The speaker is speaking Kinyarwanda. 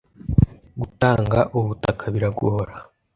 Gutanga ubutaka biragora.